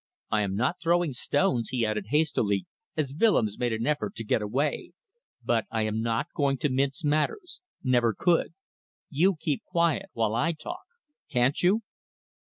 I am not throwing stones," he added, hastily, as Willems made an effort to get away, "but I am not going to mince matters. Never could! You keep quiet while I talk. Can't you?"